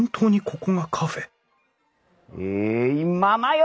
えいままよ！